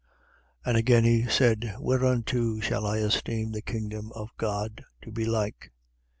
13:20. And again he said: Whereunto shall I esteem the kingdom of God to be like?